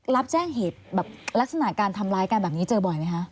รับแจ้งเหตุแบบลักษณะการทำร้ายกันแบบนี้เจอบ่อยไหมคะ